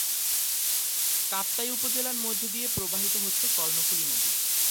কাপ্তাই উপজেলার মধ্য দিয়ে প্রবাহিত হচ্ছে কর্ণফুলি নদী।